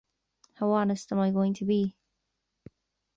How honest am I going to be?